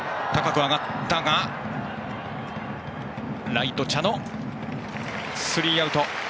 ライト、茶野つかんでスリーアウト。